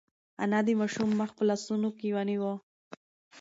انا د ماشوم مخ په لاسونو کې ونیو.